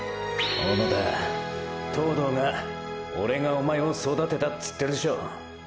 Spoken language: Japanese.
小野田ーー東堂が“オレがおまえを育てた”つってるショ。